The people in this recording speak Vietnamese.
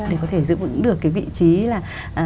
để có thể giữ vững được cái vị trí là